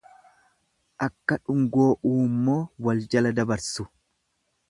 Akka dhungoo uummoo waljala dabarsu.